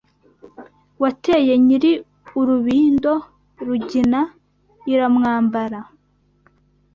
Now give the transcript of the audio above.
Wateye Nyiri urubindo, Rugina iramwambara